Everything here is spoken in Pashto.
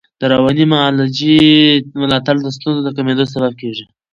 د رواني معالجې ملاتړ د ستونزو د کمېدو سبب کېږي.